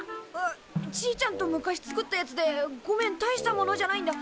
あじいちゃんと昔作ったやつでごめんたいしたものじゃないんだ。